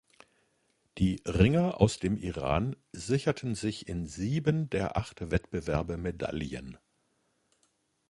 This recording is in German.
Die Ringer aus dem Iran sicherten sich in sieben der acht Wettbewerbe Medaillen.